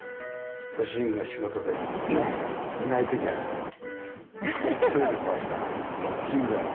ご主人が仕事でねいない時は１人でこうしてロッキングだよ